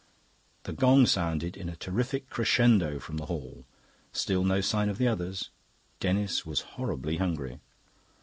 The gong sounded in a terrific crescendo from the hall. Still no sign of the others. Denis was horribly hungry.